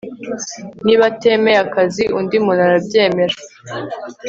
Niba atemeye akazi undi muntu arabyemera